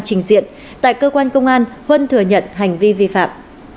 trình diện tại cơ quan công an huân thừa nhận hành vi vi phạm